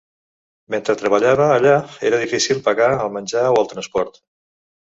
Mentre treballava allà era difícil pagar el menjar o el transport.